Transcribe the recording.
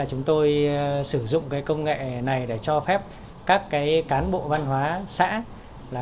chúng tôi sử dụng công nghệ này để cho phép các cán bộ văn hóa xã